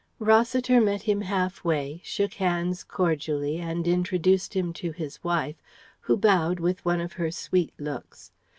Rossiter met him half way, shook hands cordially and introduced him to his wife who bowed with one of her "sweet" looks.